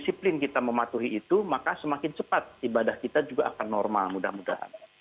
disiplin kita mematuhi itu maka semakin cepat ibadah kita juga akan normal mudah mudahan